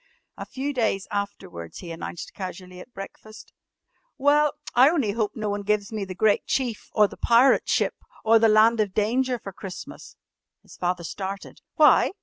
A few days afterwards he announced casually at breakfast: "Well, I only hope no one gives me 'The Great Chief,' or 'The Pirate Ship,' or 'The Land of Danger' for Christmas." His father started. "Why?"